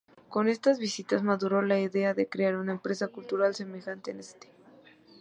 Con estas visitas maduró la idea de crear una empresa cultural semejante en St.